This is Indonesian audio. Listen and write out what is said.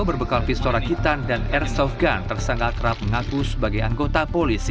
berbekal pistol rakitan dan airsoft gun tersangka kerap mengaku sebagai anggota polisi